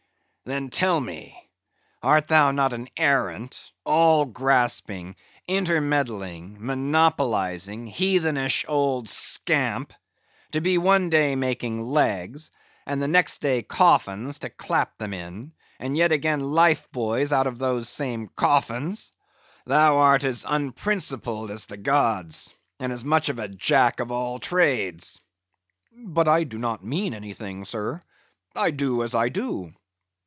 "Then tell me; art thou not an arrant, all grasping, intermeddling, monopolising, heathenish old scamp, to be one day making legs, and the next day coffins to clap them in, and yet again life buoys out of those same coffins? Thou art as unprincipled as the gods, and as much of a jack of all trades." "But I do not mean anything, sir. I do as I do."